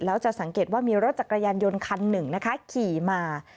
แล้วจะสังเกตว่ามีรถจักรยานยนต์คันหนึ่งนะคะขี่มา